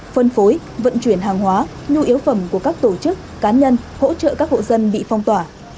phân phối vận chuyển hàng hóa nhu yếu phẩm của các tổ chức cá nhân hỗ trợ các hộ dân bị phong tỏa